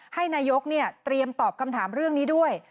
ให้นายกเตรียมตอบคำถามเรื่องนี้ด้วย